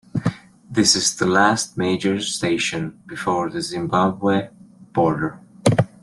It is the last major station before the Zimbabwe border.